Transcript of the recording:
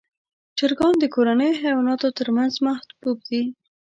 چرګان د کورنیو حیواناتو تر منځ محبوب دي.